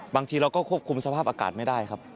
บางทีเราก็ควบคุมสภาพอากาศไม่ได้ครับ